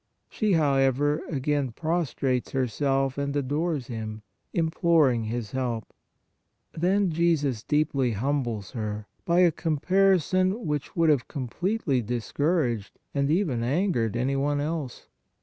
She, however, again prostrates herself and adores Him, imploring His help. Then Jesus deeply humbles her by a comparison which would have completely discouraged and even angered any one else.